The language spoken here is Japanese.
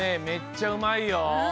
めっちゃうまいよ。